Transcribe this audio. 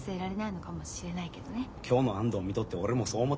今日の安藤見とって俺もそう思た。